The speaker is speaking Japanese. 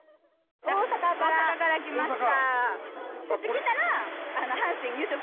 大阪から来ました。